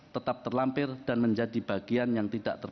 tetap terlampir dan menjadi bagian